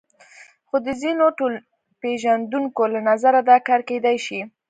خو د ځینو ټولنپېژندونکو له نظره دا کار کېدای شي.